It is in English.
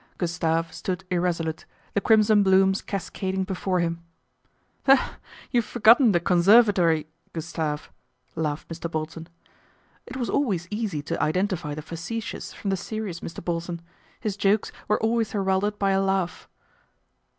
Gustave stood irresolute, the crimson blooms cascading before him. " You've forgotten the conservatory, Gustave," laughed Mr. Bolton. It was always easy to iden tify the facetious from the serious Mr. Bolton ; his jokes were always heralded by a laugh.